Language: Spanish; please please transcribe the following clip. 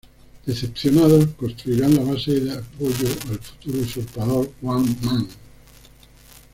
Decepcionados, construirán la base de apoyo al futuro usurpador Wang Mang.